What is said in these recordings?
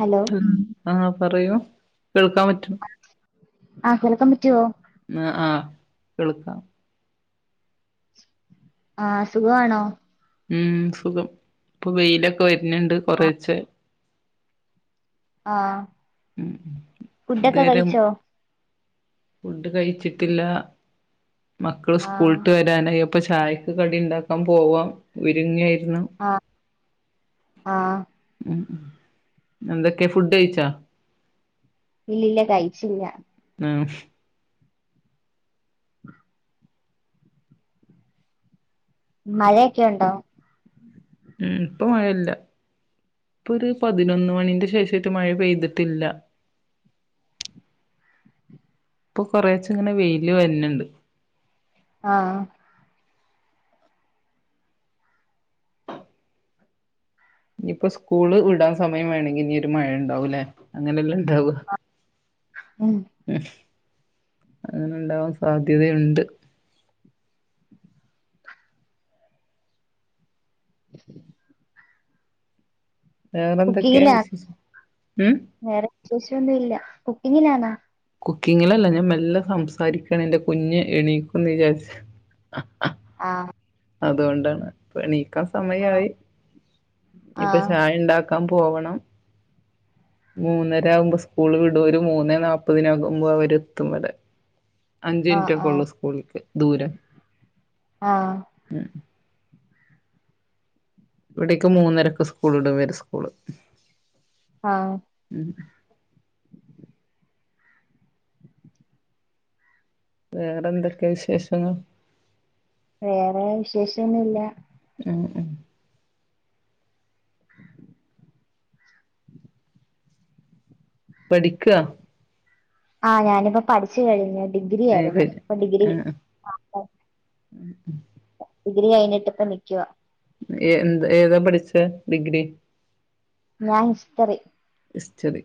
Hello ഉ ആ പറയൂ കേൾക്കാൻ പറ്റും ആ കേൾക്കാൻ പറ്റുവോ. ആ ആ കേൾക്കാം. ആ സുഖ ആണോ ഉം സുഖം ഇപ്പൊ വെയിലൊക്കെ വരുന്നുണ്ട് കൊറേച്ചെ ആ ഉം ഫുഡക്കെ ഇതുവരെ കഴിച്ചോ ഫുഡ് കഴിച്ചിട്ടില്ല മക്കള് ആഹ് സ്കൂളിട്ട് വരാനായ പ്പൊ ചായക്ക് കടി ഉണ്ടാക്കാൻ പോവാം ഉരുങ്ങിയാ ഉം ആഹ് ആഹ് ഉം ഉം എന്തൊക്കെ ഫുഡ് കഴിച്ചാ ഇല്ല്യല്ല കഴിച്ചില്ല ഉം മഴയക്കെ ഉണ്ടോ മ് ഇപ്പ മഴ ഇല്ല ഇപ്പൊ ഒരു പതിനൊന്ന് മണിന്റെ ശേഷം മഴ പെയ്തിട്ട്ല്ല ഇപ്പൊ കൊറേച്ചേ ഇങ്ങനെ വെയില് വര്ന്ണ്ട്. ആഹ് ഇനിയിപ്പ സ്കൂള് വിടാൻ സമയം വേണങ്കിൽ ഇനി ഒരു മഴ ഉണ്ടാവുംല്ലേ അങ്ങനെ ല്ലെ ഇണ്ടാവ ഉം അങ്ങനെണ്ടാവാൻ സാധ്യത ഇണ്ട്. വേറെ എന്തൊക്കെയാ കുക്കിങ്ങിലാ വിശേശം ഉം വിശേഷം ഒന്നും ഇല്ല കുക്കിങ്ങിലാണാ കുക്കിങ്ങിലല്ല ഞാൻ മെല്ലെ സംസാരിക്കാണ് എന്റെ കുഞ്ഞ് എണീക്കുന്ന് വിചാരിച്ച് ആഹ് അതുകൊണ്ടാണ് ഇപ്പ എണീക്കാൻ സമയ ആഹ് ആയി ഇനിപ്പൊ ആഹ് ചായ ഉണ്ടാക്ക് ക്കാ പോവണം. മൂന്നര ആവുമ്പോ സ്കൂള് വിടും ഒരു മൂന്നേ നാപ്പതിനാകുമ്പോ അവര് എത്തും വെടെ അഞ്ചിൻ ആഹ് റ്റൊക്കെ ആഹ് ഒള്ളു സ്കൂളിക്ക് ദൂരം ആഹ് ഇ വെടെക്ക് മൂന്നരക്ക് സ്കൂൾ വിടുവെര സ്കൂള് ആഹ് ഉം വേറെ എന്തൊക്കെയാ വിശേഷങ്ങൾ വേറെ വിശേഷൊന്നുല്ല ഉം ഉം പഠിക്ക ആ ഞാനിപ്പോ പഠിച്ചു കഴിഞ്ഞ് ഡിഗ്രി ഏ ആയിരുന്നു ഇപ്പൊ ഡിഗ്രി [inaudible] ഉം ഉം ഡിഗ്രി കഴിഞ്ഞിട്ട് ഇപ്പ നിക്ക്വ എ എന്താ ഏതാ പഠിച്ചെ ഡിഗ്രി ഞാൻ ഹിസ്റ്റ്ടറി ഹിസ്റ്ററി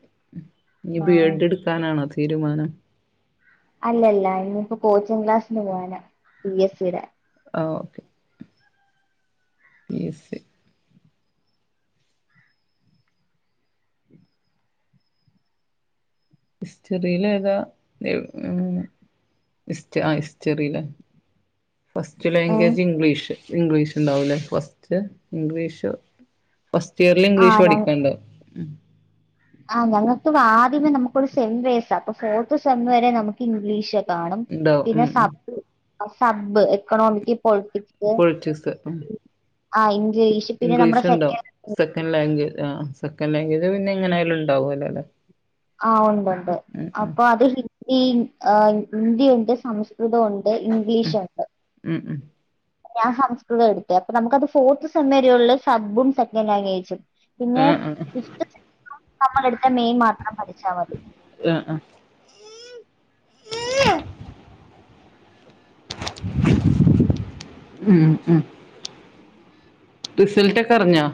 ഇനി ബി ആഹ് എഡ് ഇടുക്കാനാണോ തീരുമാനം. അല്ലല്ല ഇനിയിപ്പോ കോച്ചിങ് ക്ലാസ്സിന് പോവാന പി എസ് സി യുടെ ആ okay P S C ഹസ്റ്റെറിയിലേതാ [inaudible] his ആ ഹിസ്റ്ററില്ലേ ഫസ്റ്റ് ഏ ലാംഗ്വേജ് ഇംഗ്ലീഷ് ഇംഗ്ലീഷ് ഉണ്ടാവുല്ലേ ഫസ്റ്റ് ഇംഗ്ലീഷ് ഫസ്റ്റ് ഇയറിൽ ആ ഇംഗ്ലീഷ് ഞ- പഠിക്ക്ണ്ടൊ ആ ഞങ്ങക്ക് ആദ്യമേ നമുക്കൊരു സെം വേസ അപ്പൊ ഫോർത്ത് സെം വരെ നമുക്ക് ഇംഗ്ലീഷ കാണും ഉണ്ടാവും പിന്നെ ഉം ഉം sub sub economic politics politics ഉം ആഹ് ഇ- ഇംഗ്ലീഷ് ഇണ്ടോ സെക്കൻഡ് ലാംഗ്വേജ് ആ സെക ൻഡ് ലാംഗേജ് പിന്നെ എങ്ങനായാലും ഉണ്ടാവുംല്ലേ അല്ലെ ആ ഉണ്ടുണ്ട് അപ്പൊ അത് ഹിന്ദി ഹന്ദി ഉണ്ട്. സം കൃതവുണ്ട് ഇംഗ്ലീഷുണ്ട് ഉം ഉം ഉം ഞാൻ ഹംസ്കൃത എട്ത്തെ അപ്പൊ നമ്മക്ക് അത് ഫോർത്ത് സെമ്മ് വരെയുള്ളു സബ്ബും സെക്കൻഡ് ലാംഗ്വേജും പിന്നെ ആ ആ ഫിഫ്ത് [inaudible] നമ്മൾ എടുത്ത മെയിൻ മാത്രം പഠിച്ചാൽ മതി. ആഹ് ആഹ് മ് മ് റിസൽറ്റ് ഒക്കെ അറിഞ്ഞോ?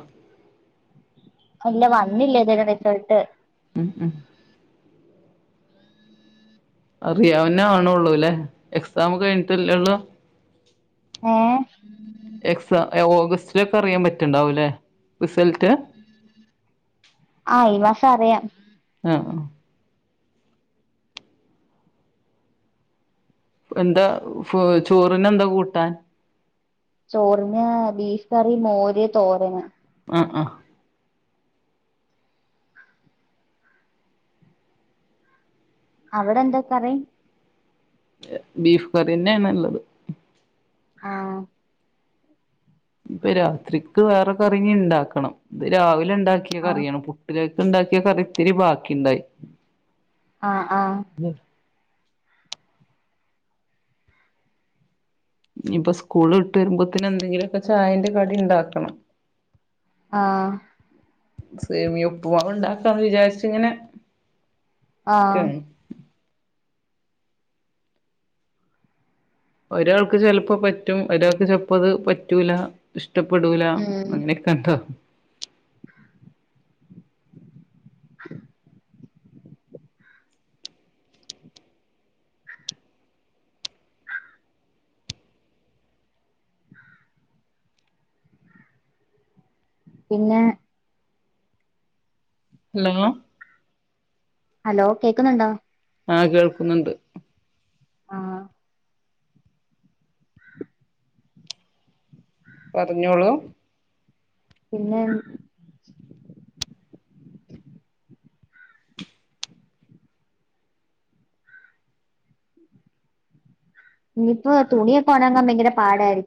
ല്ല വന്നില്ല ഇത് വരെ റിസൾട്ട്. ഉം ഉം അറിയാന് ആണൊള്ളൂല്ലേ എക്സാം കഴിഞ്ഞിട്ടല്ലേള്ളൂ? ഏഹ് എക്സ ഓഗസ്റ്റിലൊക്കെ അറിയാൻ പറ്റ്ണ്ടാവും ല്ലേ റിസൾട്ട്? ആ ഈ മാസം അറിയാം. ആഹ് എന്താ ചോറിന് എന്താ കൂട്ടാൻ? ചോറിന് ബീഫ് കറി മോര് തോരന്. ആ ആ അവിടെ എന്താ കറി? ബീഫ് കറിയന്നെണ് ഉള്ളത്. ആഹ് ഇപ്പൊ രാത്രിക്ക് വേറെ കറിഞ് ഇണ്ടാക്കണം. ഇത് രാവിലെ ഉണ്ടാക്കിയ ആഹ് കറിയാണ്. പുട്ടിലേ ക്ക് ഇണ്ടാക്കിയ കറിത്തിരി ബാ ആഹ് ആഹ് ഇഞിപ്പൊ സ്കൂള് ട്ട് വരുമ്പോത്ത് ന് എന്തെങ്കിലൊക്കെ ചായന്റെ കടി ഉണ്ടാക്കണം. ആഹ് സേമി ഉപ്പുമാവ് ഇണ്ടാക്കാന്ന് വിചാരിച്ച് ഇങ്ങനെ ആഹ് നിക്കാണ് ഒരാൾക്ക് ചെലപ്പോ പറ്റും. ഒരാൾക്ക് ചെലപ്പോ അത് പറ്റൂല. ഇഷ്ട പെടൂല ഉം അങ്ങനെയൊക്കെ ണ്ടോ പിന്നെ ഹലോ ഹലോ കേക്കുന്നുണ്ടോ ആഹ് കേൾക്കുന്നുണ്ട് ആഹ് പറഞ്ഞോളു പിന്നെ ഇനിയിപ്പോ തുണിയൊക്കെ [unintelligible] ഭയങ്കര പാടായിരി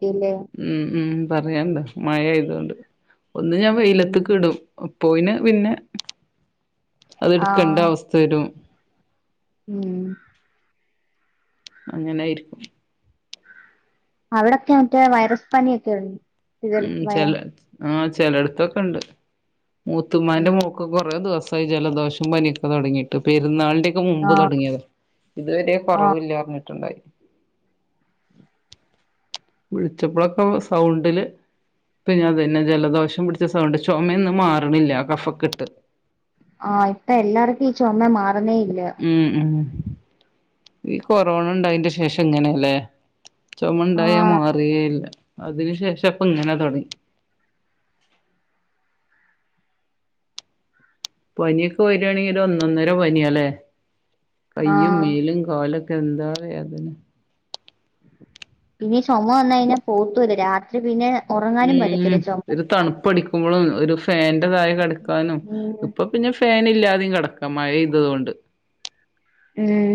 ഉമ് ഉമ് പറയണ്ട മഴ ആയതൊണ്ട്. ഒന്ന് ഞാൻ ഉം വെയിലത്ത്ക്ക് ഇടും പോയിന് പിന്നെ അത് എടുക്കേണ്ട അവസ്ഥ വരും ഉമ് അങ്ങനയിരിക്കും അവിടൊക്കെ മറ്റേ വൈറസ് പനിയൊക്കെയു ഉമ് ചെല ആഹ് ചെലടുത്തൊക്കെ ഉണ്ട് മൂത്തുമാന്റെ ഉം മോക്ക് കൊറെ ദിവസയി ജലദോഷം പനിയൊക്കെ തുടങ്ങിയിട്ട് പെരുന്നാൾ ന്റെ കെ മുമ്പ് ആഹ് തുടങ്ങിയത ഇതുവരെ ആഹ് കുറവില്ലഞ്ഞി ണ്ടായി വിളിച്ചപ്പോളൊക്കെ സൗണ്ടില് പിന്നെ അതന്നെ ജലദോഷം പിടിച്ച സൗണ്ട് ചുമയൊന്നും മാർണില്ല കഫക്കെട്ട് ആഹ് ഇപ്പൊ എല്ലാർക്കും ഈ ചുമ മാർ ഉമ് ഉമ് ഈ കൊറോണ ഉണ്ടയന്റെ ശേഷം ഇങ്ങനെ ല്ലേ ചുമണ്ടായാ ആഹ് മാറെയില്ല അതിനു ശേഷം ഇപ്പ ഇങ്ങനെ തുടങ്ങി പനിയൊക്കെ വരിയാണെങ്കി ഒരു ഒന്നൊന്നര പനിയാല്ലേ കൈയും ആഹ് മേലും കാലും എന്താ വേദന പിന്നെ ചുമ വന്ന് കയിഞാ പോതുല്ല രാത്രി പിന്നെ ഉറങ്ങാനും പറ്റത്തില്ല ഉം ചുമ ഒരു വന്നാ. തണുപ്പടിക്കുമ്പളും ഒരു ഫാന്റെ താഴേ കെടക്കാനും ഉം ഇപ്പ പിന്നെ ഫാനില്ലാ വിടിം കിടക്കാ മഴയ്തോണ്ട് ഉം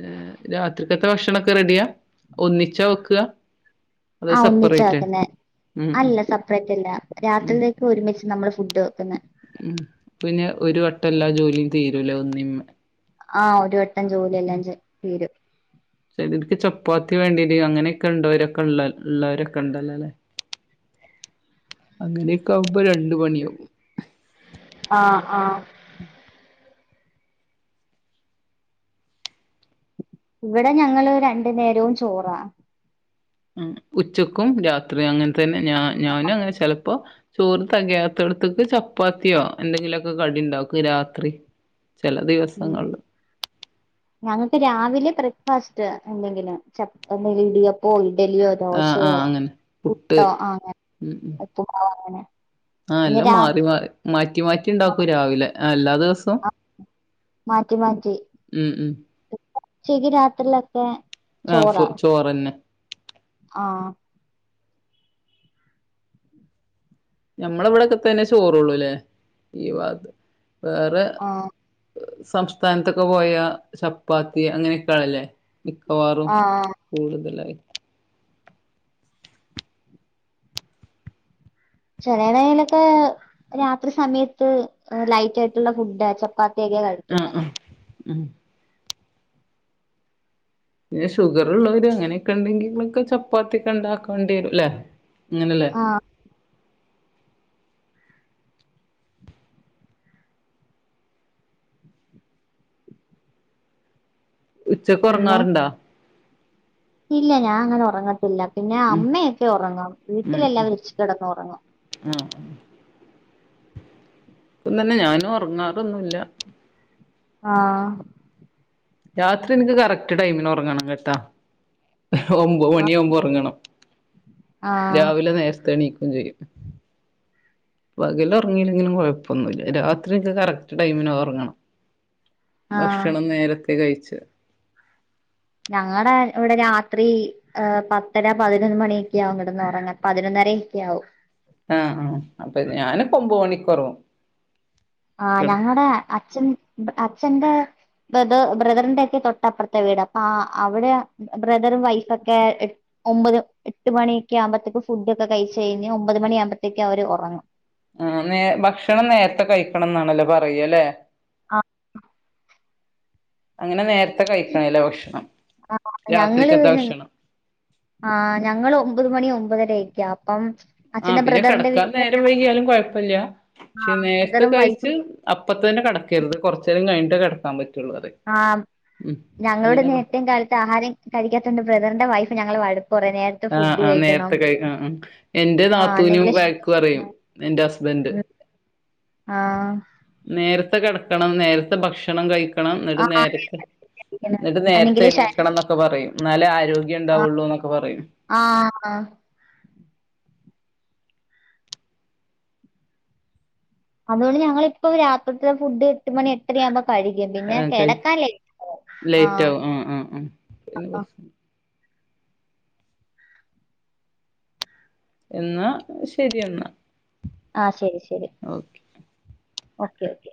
ഏ രാത്രിക്കത്തെ ഭക്ഷണൊക്കെ റെഡിയാ ഒന്നിച്ചാ വെക്ക ആ ഒന്നിച്ചാ വെക്കുന്നെ ഉം അല്ല സെപ്പറേറ്റല്ല ഉം രാത്രിതേക്ക് ഒരുമിച്ച് നമ്മുള് ഫുഡ് വെക്കുന്നെ ഉം പിന്നെ ഒരു വട്ടം എല്ലാ ജോലിയും തീരൂലെ ഒന്നിംമേ ആ ഒരു വട്ടം ജോലി എല്ലാം ചെ തീരും ചെലർക്ക് ചപ്പാത്തി വേണ്ടിന്ന് അങ്ങനെയൊക്കെ ഉണ്ടരൊക്കൊള്ള ഉള്ളരൊക്കെ ഉണ്ടല്ലോ അല്ലേ അങ്ങനെക്കാവു ആ ആ ഇവടെ ഞങ്ങള് രണ്ടു നേരവും ചോറാ ഉം ഉച്ചക്കും രാത്രിയും അങ്ങൻ തന്നെ ഞാ ഞാനും അങ്ങനെ ചെലപ്പോ ചോറ് തെകയാത്തടത്തേക്ക് ചപ്പാത്തിയോ എന്തെങ്കിലുവൊക്കെ കടി ഉണ്ടാക്കും രാത്രി ചില ഉം ദിവസങ്ങളില് ഞങ്ങക്ക് രാവിലെ ബ്രേക്ക്ഫാസ് റ്റ് എന്തെങ്കിലും ചപ്പ എന്തെങ്കിലും ഇടിയപ്പോ ഡലിയോ ആഹ് ദോശയോ ആഹ് അങ്ങനെ പുട്ട് പുട്ടോ ആ അങ്ങനെ ഉപ്പുമാവോ അങ്ങനെ ആ പിന്നെ എല്ലം മാറി രാത്രി മാറി മാറ്റി മാറ്റി ആ, ഉണ്ടാക്കും രാവിലെ എല്ലാ ദിവസോം ആ, മാറ്റി മാറ്റി ഉം ഉം ഉച്ചക്ക് രാത്രിലൊക്കെ ആഹ് ഫു ചോറാ ചോറന്നെ ആ ഞമ്മളെ ഇവിടൊക്കെ തന്നെ ചോറള്ളൂല്ലേ ഈ ഭാത് വേറെ ആഹ് സംസ്ഥാനത്തൊക്കെ പോയ ചപ്പാത്തി അങ്ങനെക്കെണല്ലേ മിക്കവാറും ആഹ് കൂടുതലായി ചെനൈ നയ്ലൊക്കെ രാത്രി സമയത്ത് ലൈറ്റ് ആയിട്ടുള്ള ഫുഡാ ചപ്പാ ത്തിയൊക്കെയാ കഴിക്കുന്നെ ആഹ് ആഹ് ഉം പിന്നെ ഷുഗറ് ഉള്ളോര് അങ്ങനെക്കെ ഉണ്ടെങ്കിലൊക്കെ ചപ്പാത്തി ഒക്കെ ഇണ്ടാക്കേണ്ടി വരുല്ലേ അങ്ങനെല്ലേ ആഹ് ഉച്ചക്ക് പിന്നെ ഉറങ്ങാറ്ണ്ടാ ഇല്ല ഞാൻ അങ്ങനെ ഉറങ്ങത്തില പിന്നെ ഉം അമ്മയൊക്കെ ഒറങ്ങും ഉം ഉം വീട്ടിലെല്ലാരും ഉച്ചയ്ക്ക് കിടന്ന് ഉറങ്ങും ആഹ് ഇപ്പം തന്നെ ഞാനും ഉറങ്ങാറൊന്നുല്ല ആ രാത്രി എനിക്ക് കറക്റ്റ് ടൈമിന് ഉറങ്ങണം കെട്ടാ ഒമ്പത് മണിയാവുമ്പോ ഉറങ്ങണം ആഹ് രാവിലെ നേരത്തെണീക്ക [unintelligible] പകൽ ഒറങ്ങില്ലെങ്കിലും കൊഴപ്പൊന്നുല്ല രാത്രി ഒക്കെ കറക്റ്റ് ടൈമിനുറങ്ങണം ആഹ് ഭക്ഷണം നേരത്തെ കഴിച്ച് ഞങ്ങടെ ഇവിടെ രാത്രി പത്തര പതിനൊന്ന് മണിയോക്കെ ആവും കിടന്നുറങ്ങാൻ പതിനൊന്ന അരക്കാവും ആ ആ അപ്പം ഞാനിപ്പോ ഒമ്പത് മണിക്കുറങ്ങും ആ ഞങ്ങളടെ അച്ഛൻ അച്ഛന്റെ ബ്രദ ബ്രദറിന്റെക്കെ തൊട്ടപ്പുറത്തെ വീടാ ആ അപ്പൊ അവിടെ ബ്രദറും വൈഫോക്കെ ഏ ഒമ്പത് എട്ട് മണിയക്കെ ആകുമ്പഴത്തേക്ക് ഫുഡ് ഒക്കെ കഴിച്ച കഴിഞ്ഞ് ഒമ്പത് മണിയാകുമ്പഴത്തേക്ക് അവർ ഉറങ്ങും ആ നേ ഭക്ഷണം നേരത്തെ കഴിക്കണം എന്നാണല്ലോ പറയാല്ലെ ആഹ അങ്ങനെ നേരത്തെ കഴിക്കണലെ ഭക്ഷണം രാത്രിക്കത്തെ ഭക്ഷണം ആഹ ഞങ്ങൾ ഒമ്പത് മണി ഒമ്പതരയിക്കാ അപ്പം ആഹ അച്ഛന്റെ പിന്നെ ബ്രദറിന്റെ കടക്കാന് വീട്ടിൽ നേരം വൈകിയാലും കുഴപ്പില്ല പക്ഷേ നേരത്തെ ബ്രദറും കഴിച്ച് വൈഫും അപ്പ തന്നെ കിടക്കരുത് കൊറച്ച് നേരം കഴിഞ്ഞിട്ട് കിടക്ക ആ ഞങ്ങളോട് അങ്ങനെ പറ നേരത്തും കാലത്ത് ആഹാരം കഴിക്കാത്തോണ്ട് ബ്രദറിന്റെ വൈഫ് ഞങ്ങളെ വഴ ആഹ ആ് നേരത്തെ കഴക്കണം ആ എന്റെ ആ നാത്തൂവിനും അല്ലെങ്കില് വഴക്ക് പറയും എന്റെ ഹസ്ബൻഡ് ആഹ നേരത്തെ കിടക്കണം നേരത്തെ ഭക്ഷണം കഴിക്കണം എന്നിട്ട് ആ നേരത്തെ എന്നിട്ട് നേരത്തെ അല്ലെങ്കില് ശ എണീക്കണം എന്നൊക്കെ പറയും എന്നാലേ ആരോഗ്യം ഉണ്ടാവുള്ളൂ എന്നൊക്കെ പറയും ആഹ അതുകൊണ്ട് ഞങ്ങിളിപ്പം രാത്രിത്തെ ഫുഡ് എട്ട് മണി എട്ടരയാവുമ്പോ കഴിക്കും പിന്നെ കിടക്കാൻ ലേറ്റ് ആഹ ലേറ്റ് ആഹ് ആവും ആ ആ ആ പിന്നെ പ്രശ്നം. എന്നാ ശരി എന്നാ ആ ശരി ശരി ഓക്കെ ഓക്കെ ഓക്കെ